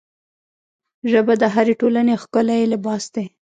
ژبه د هرې ټولنې ښکلی لباس دی